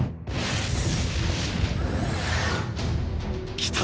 来た！！